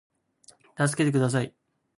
たすけてください